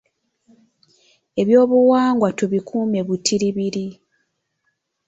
Ebyobuwangwa tubikuume butiribiri.